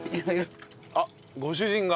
あっご主人が。